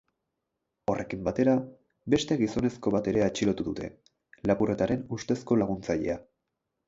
Horrekin batera, beste gizonezko bat ere atxilotu dute, lapurretaren ustezko laguntzailea.